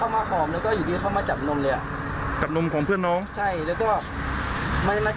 มาอยู่ดีเข้ามาจับตรงนี้ใช่ไหม